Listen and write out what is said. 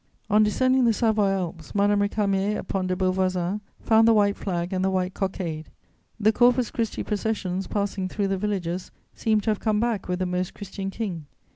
On descending the Savoy Alps, Madame Récamier, at Pont de Beauvoisin, found the White Flag and the white cockade. The Corpus Christi processions, passing through the villages, seemed to have come back with the Most Christian King.